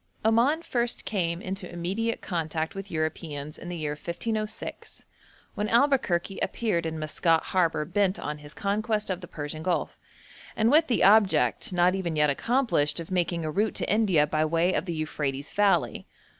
Oman first came into immediate contact with Europeans in the year 1506, when Albuquerque appeared in Maskat harbour bent on his conquest of the Persian Gulf, and with the object, not even yet accomplished, of making a route to India by way of the Euphrates valley.